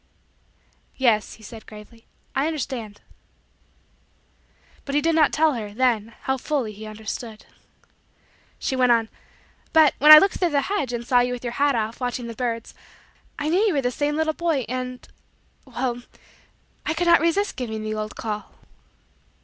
"Yes," he said, gravely, "I understand." But he did not tell her, then, how fully he understood. She went on: "But when I looked through the hedge and saw you with your hat off, watching the birds, I knew you were the same little boy and well I could not resist giving the old call."